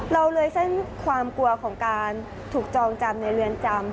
เราเลยเส้นความกลัวของการถูกจองจำในเรือนจำ